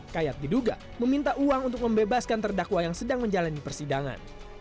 kayat diduga meminta uang untuk membebaskan terdakwa yang sedang menjalani persidangan